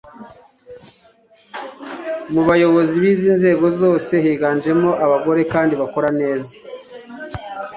mu bayobozi b'izi nzego zose higanjemo abagore kandi bayobora neza